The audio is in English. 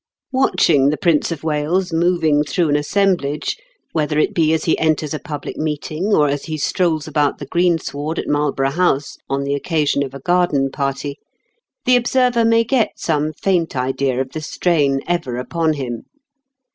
Watching the Prince of Wales moving through an assemblage, whether it be as he enters a public meeting or as he strolls about the greensward at Marlborough House on the occasion of a garden party, the observer may get some faint idea of the strain ever upon him.